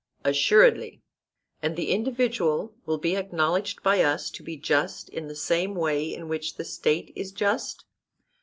Assuredly. And the individual will be acknowledged by us to be just in the same way in which the State is just?